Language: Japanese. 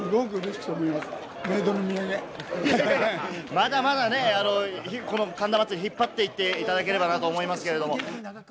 まだまだ、神田祭を引っ張っていただければなと思いますけど。